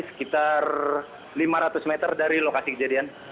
sekitar lima ratus meter dari lokasi kejadian